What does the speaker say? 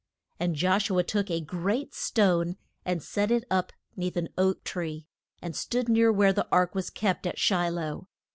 And Josh u a took a great stone and set it up 'neath an oak tree that stood near where the ark was kept at Shi loh.